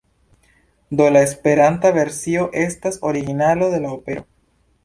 Do la Esperanta versio estas originalo de la opero.